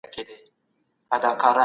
ډیپلوماټان ولي په ټولنه کي عدالت غواړي؟